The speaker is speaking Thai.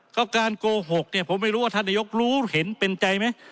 ก็การโกหกเนี่ยผมไม่รู้ว่าท่านนายกรู้เห็นเป็นใจไหม